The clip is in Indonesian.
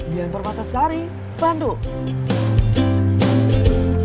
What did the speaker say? dian permata sari bandung